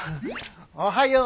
おはよう。